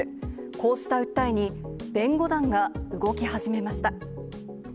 こうした訴えに、弁護団が動き始めました。